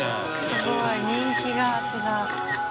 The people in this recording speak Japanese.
すごい人気が違う。）